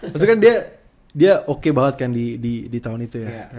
maksudnya kan dia oke banget kan di tahun itu ya